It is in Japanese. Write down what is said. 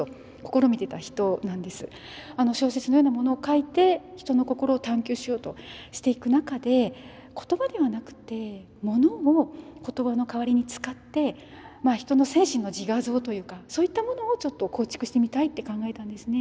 小説のようなものを書いて人の心を探求しようとしていく中で言葉ではなくて物を言葉の代わりに使ってまあ人の精神の自画像というかそういったものをちょっと構築してみたいって考えたんですね。